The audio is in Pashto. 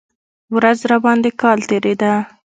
ورځ راباندې کال تېرېده.